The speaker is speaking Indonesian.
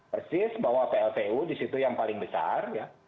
persis bahwa pltu di situ yang paling besar ya